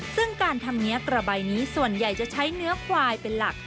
ซึ่งการทำเงี้ยกระใบนี้ส่วนใหญ่จะใช้เนื้อควายเป็นหลัก